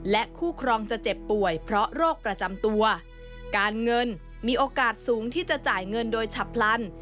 คู่ครองจะเจ็บป่วยเพราะโรคประจำตัวการเงินมีโอกาสสูงที่จะจ่ายเงินโดยฉับพลัน